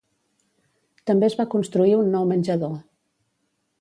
També es va construir un nou menjador.